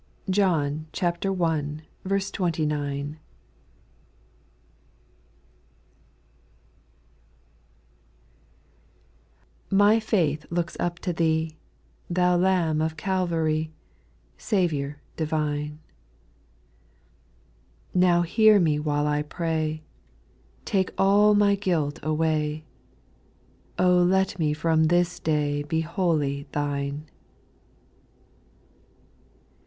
t^i 161. John i. 29. / 1. Ill Y faith looks up to Thee, IlL Thou Lamb of Calvary, Saviour divine ; Now hear me while I pray. Take all my guilt away : O let me from this day Be wholly Thine.